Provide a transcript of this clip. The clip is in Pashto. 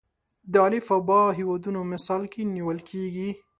د الف او ب هیوادونه مثال کې نیول کېږي.